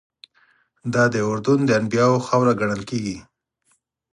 دادی اردن د انبیاوو خاوره ګڼل کېږي.